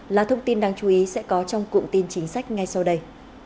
là thông tin đáng chú ý sẽ có trong cụm tin chính sách ngay sau đây